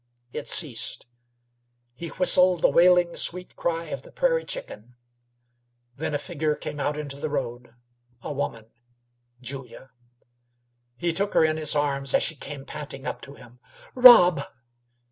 It ceased. He whistled the wailing, sweet cry of the prairie chicken. Then a figure came out into the road a woman Julia! He took her in his arms as she came panting up to him. "Rob!"